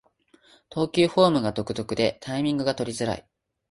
投球フォームが独特でタイミングが取りづらい